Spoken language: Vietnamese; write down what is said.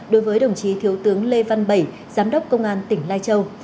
đối với đồng chí thiếu tướng lê văn bảy giám đốc công an tỉnh lai châu